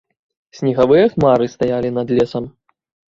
Снегавыя хмары стаялі над лесам.